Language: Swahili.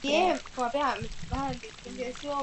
katika vita ya Abushiri na vita dhidi ya Wahehe